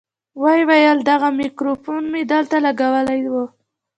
ويې ويل دغه ميکروفون مې دلته لګولى و.